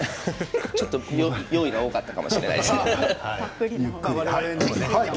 ちょっと用意が多かったかもしれません。